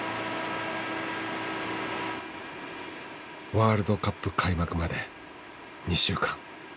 ワールドカップ開幕まで２週間。